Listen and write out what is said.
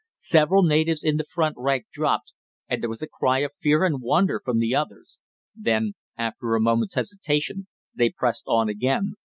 Several natives in the front rank dropped, and there was a cry of fear and wonder from the others. Then, after a moment's hesitation they pressed on again.